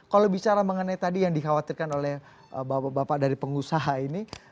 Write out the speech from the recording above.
kalau bicara mengenai tadi yang dikhawatirkan oleh bapak bapak dari pengusaha ini